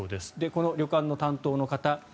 この旅館の担当の方